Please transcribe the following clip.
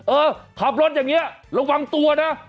เออขับรถอย่างนี้ระวังตัวนะ